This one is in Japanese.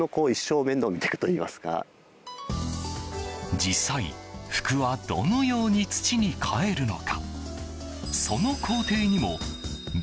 実際、服はどのように土にかえるのか。